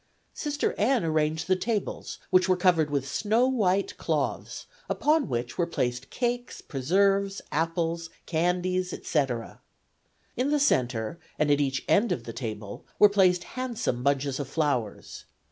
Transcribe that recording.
Sister N. arranged the tables, which were covered with snow white cloths, upon which were placed cakes, preserves, apples, candies, etc. In the centre and at each end of the tables were placed handsome bunches of flowers.